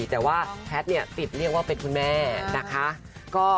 แต่ว่าแพทย์เนี่ยติดเรียกว่าเป็นคุณแม่นะคะ